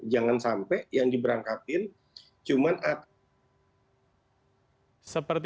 jangan sampai yang diberangkatkan cuma atlet